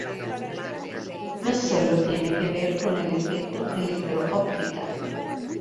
No sólo tiene que ver con el "efecto Electro-Óptica".